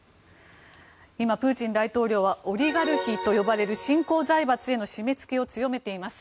今、プーチン大統領はオリガルヒと呼ばれる新興財閥への締めつけを強めています。